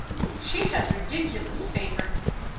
"She has ridiculous favourites.